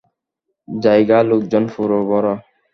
জায়গা লোকজনে পুরো ভরা।